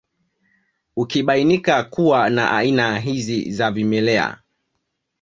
Ukibainika kuwa na aina hizi za vimelea